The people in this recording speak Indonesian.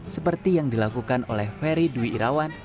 seperti yang dilakukan oleh ferry dwi irawan